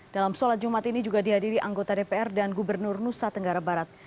dalam sholat jumat ini juga dihadiri anggota dpr dan gubernur nusa tenggara barat